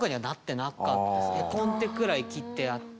絵コンテくらい切ってあって。